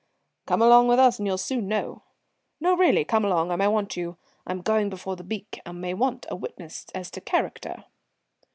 "Come on with us and you'll soon know. No, really, come along, I may want you. I'm going before the beak and may want a witness as to character."